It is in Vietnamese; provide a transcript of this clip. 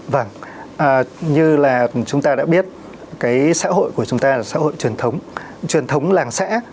vâng như là chúng ta đã biết cái xã hội của chúng ta là xã hội truyền thống truyền thống làng xã